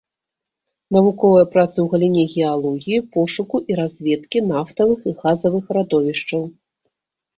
Навуковыя працы ў галіне геалогіі, пошуку і разведкі нафтавых і газавых радовішчаў.